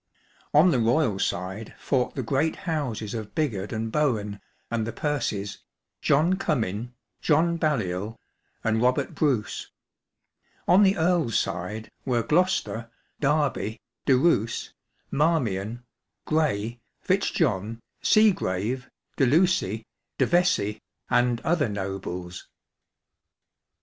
On the royal side fought the great houses of Bigod and Bohun and the Percys — John Comyn, John Baliol, and Robert Bruce; on the EarFs side were Gloucester, Derby, De Roos, Marmlon, Grey, Fitzjohn, Seagrave, De Lucy, De Vescey, and other nobles.